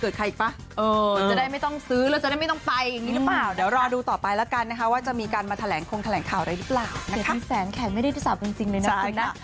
เดี๋ยวรอดูต่อไปแล้วกันว่าจะมีการมาแถลงคลงแถลงข่าวได้หรือเปล่านะคะ